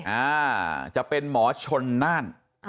อ่าจะเป็นหมอชนน่าน